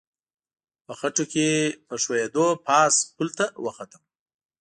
په خټو کې په ښویېدو پاس پل ته وختم.